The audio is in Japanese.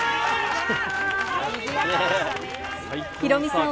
ヒロミさん！